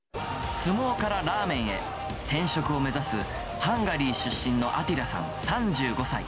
相撲からラーメンへ、転職を目指す、ハンガリー出身のアティラさん、３５歳。